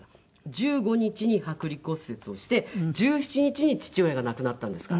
１５日に剥離骨折をして１７日に父親が亡くなったんですから。